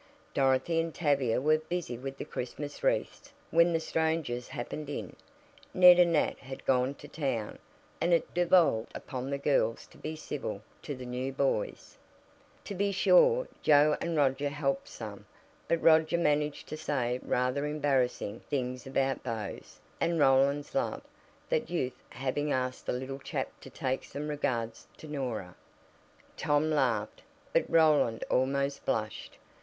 Dorothy and Tavia were busy with the Christmas wreaths when the strangers happened in. Ned and Nat had gone to town, and it devolved upon the girls to be "civil" to the new boys. To be sure, Joe and Roger helped some, but Roger managed to say rather embarrassing things about beaus, and Roland's love, that youth having asked the little chap to take some "regards" to Norah. Tom laughed, but Roland almost blushed.